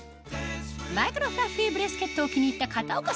マイクロフラッフィーブレスケットを気に入った片岡さん